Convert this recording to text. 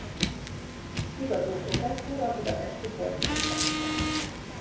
Kutatóprofesszor a Budapesti Corvinus Egyetemen.